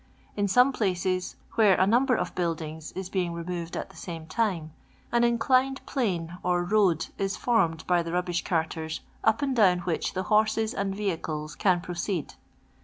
In tome places, where a number of bnildings ia I being removed at tlie same time, an inclined plane \ or road is formed by the rubbish carters, up and j down which the horses and vehicles can proceed.